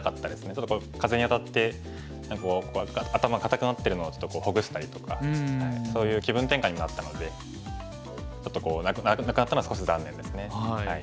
ちょっと風に当たって頭固くなってるのをちょっとほぐしたりとかそういう気分転換になったのでちょっとなくなったのは少し残念ですね。